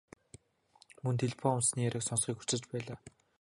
Мөн телефон утасны яриаг сонсохыг хүсэж байлаа.